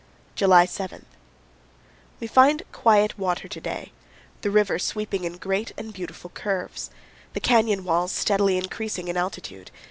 July 7. We find quiet water to day, the river sweeping in great and beautiful curves, the canyon walls steadily increasing in altitude.